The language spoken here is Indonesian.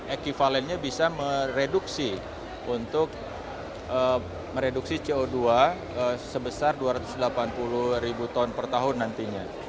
ekivalennya bisa mereduksi untuk mereduksi co dua sebesar dua ratus delapan puluh ribu ton per tahun nantinya